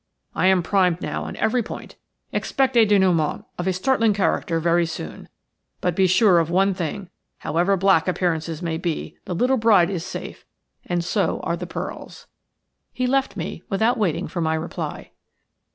I am primed now on every point. Expect a dénouement of a startling character very soon, but be sure of one thing – however black appearances may be the little bride is safe, and so are the pearls." He left me without waiting for my reply.